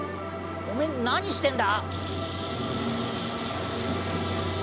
おめえ何してんだ！？